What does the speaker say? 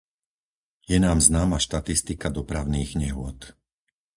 Je nám známa štatistika dopravných nehôd.